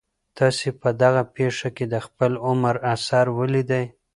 تاسي په دغه پېښي کي د خپل عمر اثر ولیدی؟